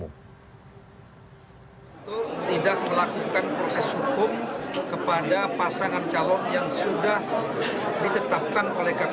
untuk tidak melakukan proses hukum kepada pasangan calon yang sudah ditetapkan oleh kpu